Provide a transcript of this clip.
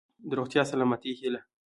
د روغتیا ،سلامتۍ هيله .💡